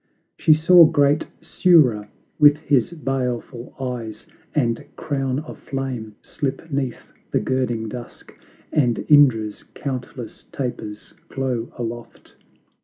She saw great Surya with his baleful eyes, And crown of flame, slip 'neath the girding dusk, And Indra's countless tapers glow aloft!